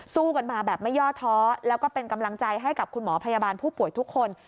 สู้กันมาแบบไม่ย่อท้อแล้วก็เป็นกำลังใจให้กับคุณหมอพยาบาลผู้ป่วยทุกคน